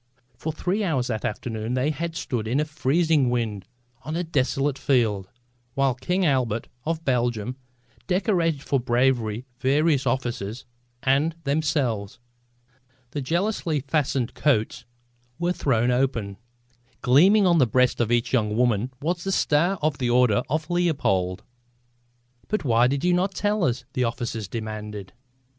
For three hours that afternoon they had stood in a freezing wind on a desolate field, while King Albert of Belgium decorated for bravery various officers and themselves. The jealously fastened coats were thrown open. Gleaming on the breast of each young woman was the star of the Order of Leopold! "But why did you not tell us?" the officers demanded.